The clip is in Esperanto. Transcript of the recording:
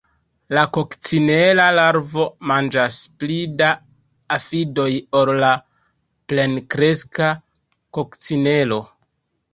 La kokcinela larvo manĝas pli da afidoj ol la plenkreska kokcinelo.